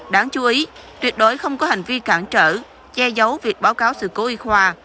đáng chú ý tuyệt đối không có hành vi cản trở che giấu việc báo cáo sự cố y khoa